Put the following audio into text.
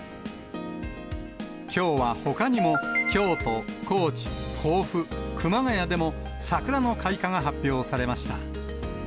きょうはほかにも、京都、高知、甲府、熊谷でも桜の開花が発表されました。